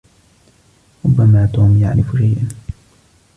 ربما توم يعرف شيئاً.